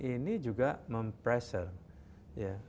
ini juga mempressure